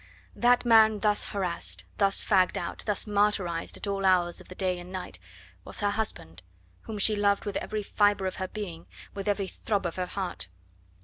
That man thus harassed, thus fagged out, thus martyrised at all hours of the day and night, was her husband, whom she loved with every fibre of her being, with every throb of her heart.